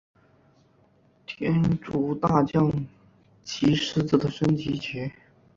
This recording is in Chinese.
天竺大将棋狮子的升级棋。